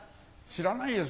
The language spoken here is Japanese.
知らないよ